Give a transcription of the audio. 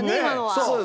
そうです。